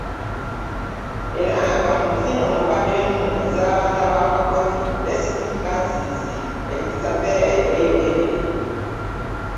Era nga mu zino mubaddemu ez'abaana b'abakozi, St. Francis Xavier e Bweyogerere